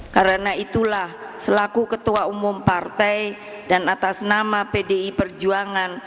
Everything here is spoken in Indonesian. karena itulah selaku ketua umum partai dan atas nama pdi perjuangan